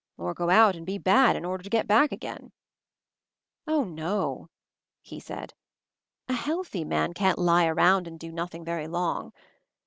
Or go out and be bad in order to get back again." "Oh, no," he said. "A healthy man can't 260 MOVING THE MOUNTAIN lie around and do nothing very long.